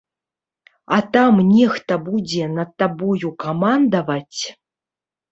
А там нехта будзе над табою камандаваць?